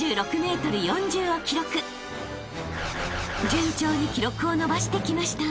［順調に記録を伸ばしてきました］